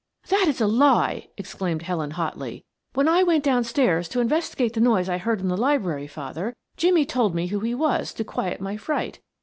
"That is a lie!" exclaimed Helen hotly. "When I went downstairs to investigate the noise I heard in the library, father, Jimmie told me who he was to quiet my fright.